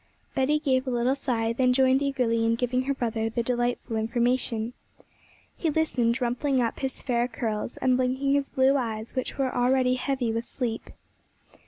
Betty gave a little sigh, then joined eagerly in giving her brother the delightful information. He listened, rumpling up his fair curls, and blinking his blue eyes, which were already heavy with sleep.